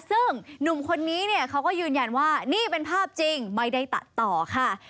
ซึ่งหนุ่มคนนี้เนี่ยเขาก็ยืนยันว่านี่เป็นภาพจริงไม่ได้ตัดต่อค่ะ